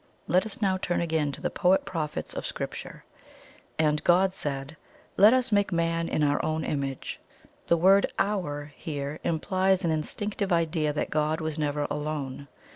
"Let us now turn again to the poet prophets of Scripture: 'And God said, Let us make man in our image.' The word 'OUR' here implies an instinctive idea that God was never alone.